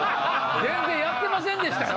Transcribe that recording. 全然やってませんでしたよ